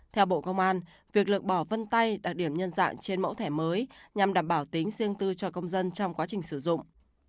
theo bộ công an việc lược bỏ vân tay đặc điểm nhân dạng trên mẫu thẻ mới nhằm đảm bảo tính riêng tư cho công dân trong quá trình sử dụng